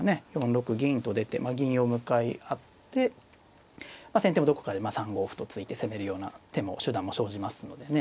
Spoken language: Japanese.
４六銀と出て銀を向かい合って先手もどこかで３五歩と突いて攻めるような手も手段も生じますのでね。